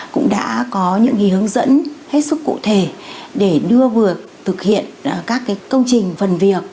cũng đã có những hướng dẫn hết sức cụ thể để đưa vừa thực hiện các công trình phần việc